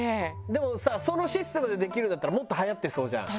でもさそのシステムでできるんだったらもっと流行ってそうじゃん。